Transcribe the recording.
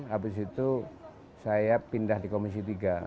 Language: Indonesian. habis itu saya pindah di komisi tiga